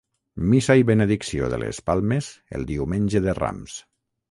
Missa i benedicció de les Palmes el Diumenge de Rams.